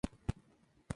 ¿no vive ella?